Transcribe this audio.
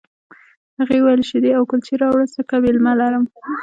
هغه وویل شیدې او کلچې راوړه ځکه مېلمه لرم